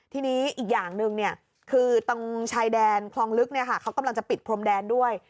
ทีนี้อีกอย่างหนึ่งคือตรงชายแดนคลองลึกเขากำลังจะปิดพรมแดนด้วย